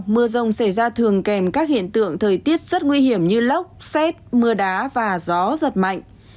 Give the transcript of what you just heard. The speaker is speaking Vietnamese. mưa rông xảy ra thường kèm các hiện tượng thời tiết rất nguy hiểm như lốc xét mưa đá và gió giật mạnh